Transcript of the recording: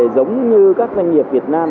giống như các doanh nghiệp việt nam